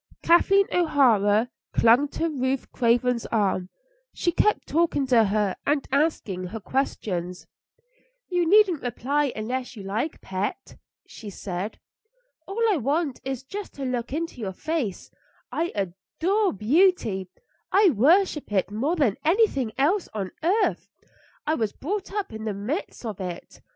Kathleen O'Hara clung to Ruth Craven's arm; she kept talking to her and asking her questions. "You needn't reply unless you like, pet," she said. "All I want is just to look into your face. I adore beauty; I worship it more than anything else on earth. I was brought up in the midst of it.